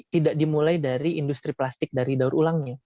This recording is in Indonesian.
tidak dimulai dari industri plastik dari daur ulangnya